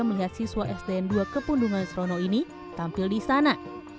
melihat siswa sdn dua kepundungan serono ini tampil di sana